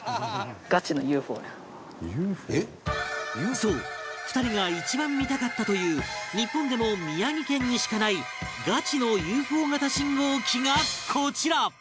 そう２人が一番見たかったという日本でも宮城県にしかないガチの ＵＦＯ 型信号機がこちら